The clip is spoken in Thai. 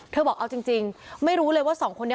บอกเอาจริงไม่รู้เลยว่าสองคนนี้